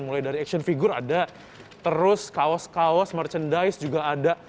mulai dari action figure ada terus kaos kaos merchandise juga ada